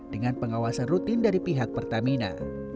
dengan pengawasan rutin dari pihak pertamina